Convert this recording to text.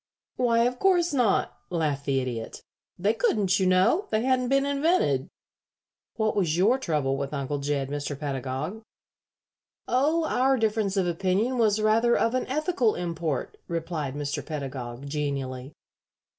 "Why, of course not," laughed the Idiot. "They couldn't, you know. They hadn't been invented. What was your trouble with Uncle Jed, Mr. Pedagog?" "Oh, our difference of opinion was rather of an ethical import," replied Mr. Pedagog, genially.